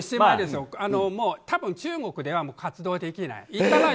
多分中国では活動できない。